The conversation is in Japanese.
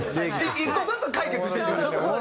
１個ずつ解決していきましょう。